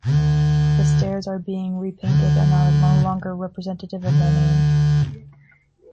The stairs are being repainted and are no longer representative of their name.